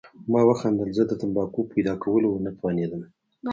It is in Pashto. ما وخندل، زه د تمباکو په پیدا کولو ونه توانېدم.